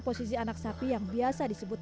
posisi anak sapi yang biasa disebut